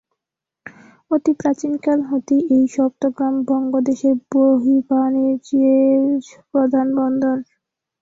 অতি প্রাচীনকাল হতেই এই সপ্তগ্রাম বঙ্গদেশের বহির্বাণিজ্যের প্রধান বন্দর।